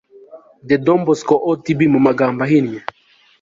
de Don Bosco ODB mu magambo ahinnye